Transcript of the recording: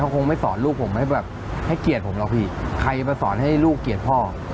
คงไม่สอนลูกผมให้แบบให้เกียรติผมหรอกพี่ใครมาสอนให้ลูกเกลียดพ่อ